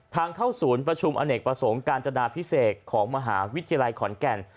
ทางเข้าศูนย์ประชุมอเนกประสงค์การจนาพิเศษของมหาวิทยาลัยขอนแก่น